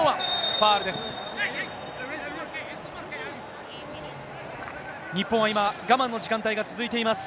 ファウルです。